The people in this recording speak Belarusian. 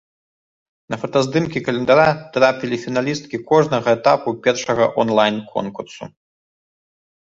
На фотаздымкі календара трапілі фіналісткі кожнага этапу першага онлайн-конкурсу.